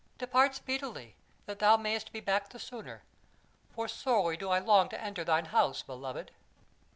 Depart speedily, that thou mayst be back the sooner; for sorely do I long to enter thine house, beloved."